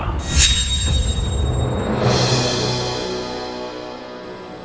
hai bagaimana kamu menanggungku